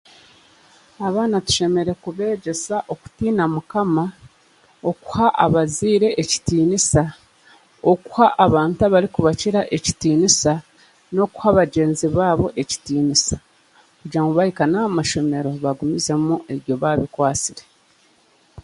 Abaana tushemereire kubegyesa okutiina mukama, okuha abazaire ekitiniisa, okuha abantu abari kubakira ekitinisa n'okuha bagyenzi baabo ekitiniisa kugira ngu baahika n'amaashomero bagumizemu ebyo baabikwatsire.